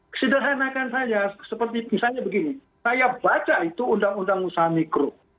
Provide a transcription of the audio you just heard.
kesederhanakan saya seperti misalnya begini saya baca itu undang undang usaha mikro